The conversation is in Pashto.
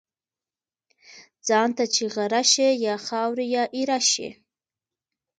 ځان ته چی غره شی ، یا خاوري یا ايره شی .